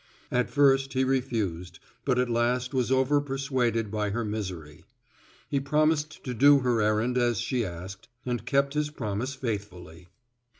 At first he refused, but at last was over persuaded by her misery. He promised to do her errand as she asked, and kept his promise faithfully.